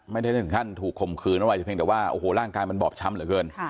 ไม่ได้ถึงขั้นถูกข่มขืนอะไรเพียงแต่ว่าโอ้โหร่างกายมันบอบช้ำเหลือเกิน